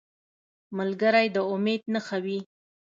ملګری د امید نښه وي